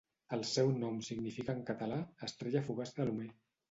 El seu nom significa en català Estrella fugaç de Lomé.